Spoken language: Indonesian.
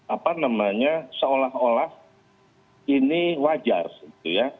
apa namanya seolah olah ini wajar gitu ya